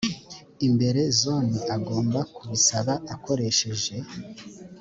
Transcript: imbere zone agomba kubisaba akoresheje